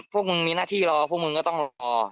พวกมึงมีหน้าที่รอพวกมึงก็ต้องรอ